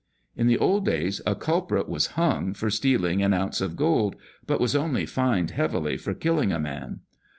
In the old days a culprit was hung for stealing an ounce of gold, out was only fined heavily for killing a man.